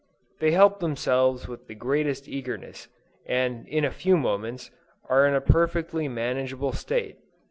They help themselves with the greatest eagerness, and in a few moments, are in a perfectly manageable state.